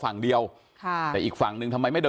ฝั่งเดียวแต่อีกฝั่งนึงไม่มาดำเนินคดี